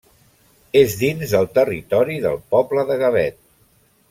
És dins del territori del poble de Gavet.